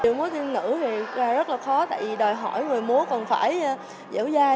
điệu múa tiên nữ thì rất là khó tại vì đòi hỏi người múa còn phải dẻo dai